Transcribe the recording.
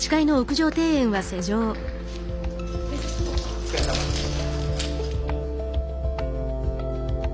お疲れさまです。